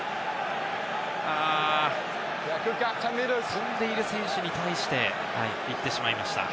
飛んでいる選手に対して行ってしまいました。